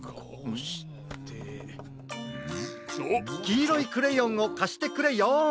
きいろいクレヨンをかしてくれよん。